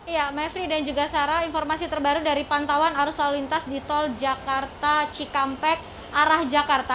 ya mevri dan juga sarah informasi terbaru dari pantauan arus lalu lintas di tol jakarta cikampek arah jakarta